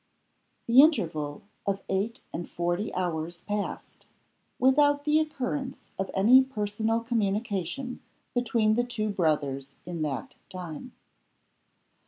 THE interval of eight and forty hours passed without the occurrence of any personal communication between the two brothers in that time.